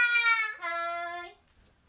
はい。